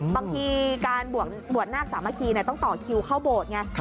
บางทีการบวชนาคสามัคคีต้องต่อคิวเข้าโบสถ์ไง